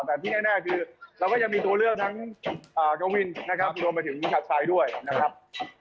แต่ที่แน่คือเราก็จะมีตัวเลือกทั้งเกาวินก็มีรวมประทิเวณชาติชายด้วยนะครับ